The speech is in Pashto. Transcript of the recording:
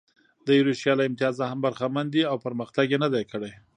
د ایروشیا له امتیازه هم برخمن دي او پرمختګ یې نه دی کړی.